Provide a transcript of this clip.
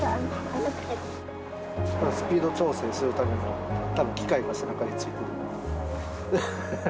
スピード調整するためのたぶん機械が背中についてる。